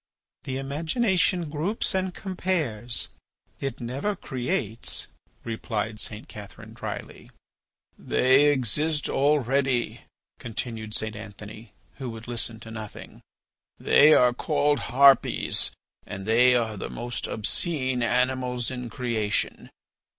"The imagination groups and compares; it never creates," replied St. Catherine drily. "They exist already," continued St. Antony, who would listen to nothing. "They are called harpies, and they are the most obscene animals in creation.